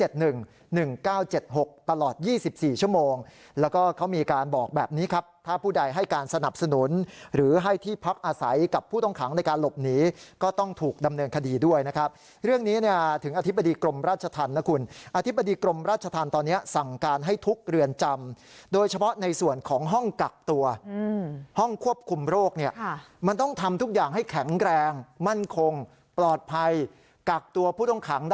๐๘๐๐๗๑๑๙๗๖ตลอด๒๔ชั่วโมงแล้วก็เขามีการบอกแบบนี้ครับถ้าผู้ใดให้การสนับสนุนหรือให้ที่พักอาศัยกับผู้ต้องขังในการหลบหนีก็ต้องถูกดำเนินคดีด้วยนะครับเรื่องนี้เนี่ยถึงอธิบดีกรมราชธรรมนะคุณอธิบดีกรมราชธรรมตอนนี้สั่งการให้ทุกข์เรือนจำโดยเฉพาะในส่วนของห้องกักตัวห้อง